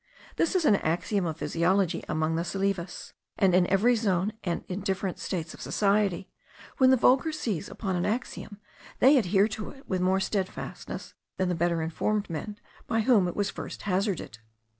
This is an axiom of physiology among the Salives; and in every zone, and in different states of society, when the vulgar seize upon an axiom, they adhere to it with more stedfastness than the better informed men by whom it was first hazarded.